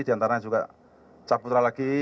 diantara juga caputra lagi